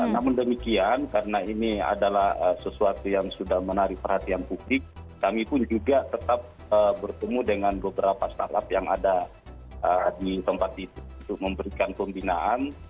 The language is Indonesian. namun demikian karena ini adalah sesuatu yang sudah menarik perhatian publik kami pun juga tetap bertemu dengan beberapa startup yang ada di tempat itu untuk memberikan pembinaan